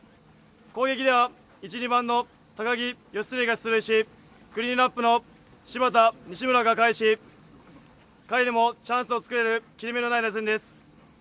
攻撃では１・２番の高木・義経が出塁しクリーンナップの柴田、西村が返し下位でもチャンスを作れる切れ目のない打線です。